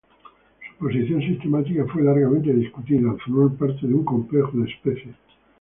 Su posición sistemática fue largamente discutida, al formar parte de un complejo de especies.